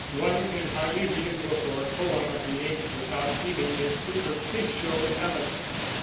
One can hardly read a book or poem of the age without feeling this superficial elegance.